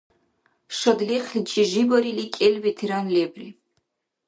Шадлихъличи жибарили кӀел ветеран лебри.